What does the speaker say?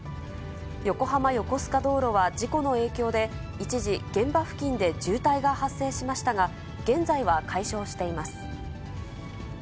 横浜横須賀道路は事故の影響で、一時、現場付近で渋滞が発生しましたが、現在は解消しています。